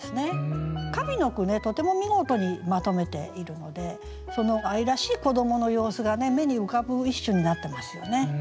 上の句ねとても見事にまとめているのでその愛らしい子どもの様子が目に浮かぶ一首になってますよね。